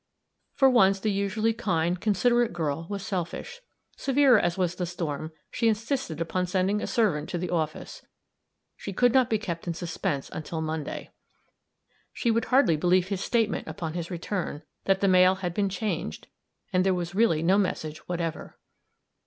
For once, the usually kind, considerate girl was selfish. Severe as was the storm, she insisted upon sending a servant to the office; she could not be kept in suspense until Monday. She would hardly believe his statement, upon his return, that the mail had been changed, and there was really no message whatever.